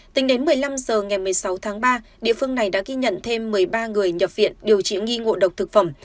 tính đến một mươi năm h ngày một mươi sáu tháng ba địa phương này đã ghi nhận thêm một mươi ba người nhập viện điều trị nghi ngộ độc thực phẩm